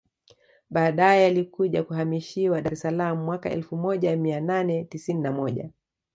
Baadae yalikuja kuhamishiwa Dar es salaam mwaka elfu moja mia nane tisini na moja